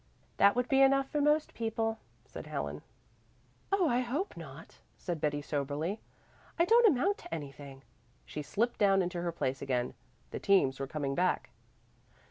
"That would be enough for most people," said Helen. "Oh, I hope not," said Betty soberly. "I don't amount to anything." She slipped down into her place again. The teams were coming back.